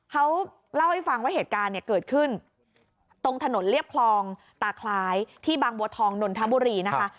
เขาเล่าให้ฟังว่าเหตุการณ์เนี่ยเกิดขึ้นตรงถนนเรียบคลองตาคล้ายที่บางบัวทองนนทบุรีนะคะ